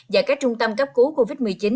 và các trung tâm cấp cứu covid một mươi chín